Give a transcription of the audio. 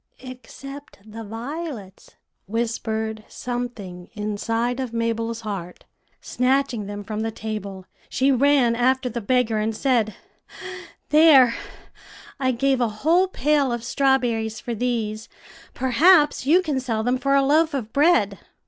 "'Except the violets,' whispered something inside of Mabel's heart. Snatching them from the table, she ran after the beggar, and said, "'There, I gave a whole pail of strawberries for these; perhaps you can sell them for a loaf of bread.'"